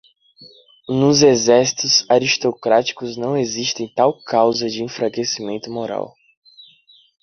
Nos exércitos aristocráticos não existe tal causa de enfraquecimento moral.